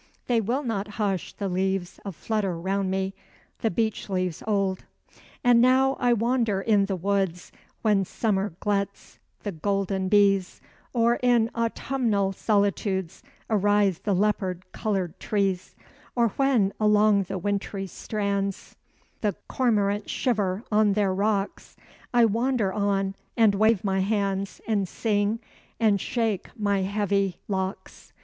They will not hush, the leaves a flutter round me, the beech leaves old. And now I wander in the woods When summer gluts the golden bees, Or in autumnal solitudes Arise the leopard colored trees; Or when along the wintry strands The cormorants shiver on their rocks; I wander on, and wave my hands, And sing, and shake my heavy locks.